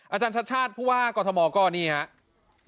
อาจารย์ชัดชาติผู้ว่ากรทมก็นี่ครับ